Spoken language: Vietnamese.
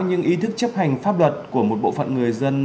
nhưng ý thức chấp hành pháp luật của một bộ phận người dân